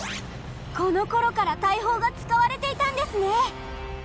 この頃から大砲が使われていたんですね。